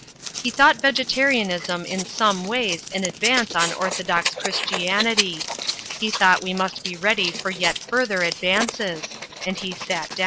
He thought Vegetarianism in some ways an advance on orthodox Christianity. He thought we must be ready for yet further advances; and he sat down. u,y,u.